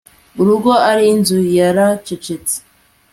urugo, ariko inzu yaracecetse